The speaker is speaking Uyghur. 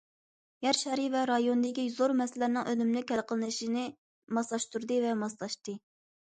يەر شارى ۋە رايوندىكى زور مەسىلىلەرنىڭ ئۈنۈملۈك ھەل قىلىنىشنى ماسلاشتۇردى ۋە ماسلاشتى.